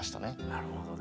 なるほどね。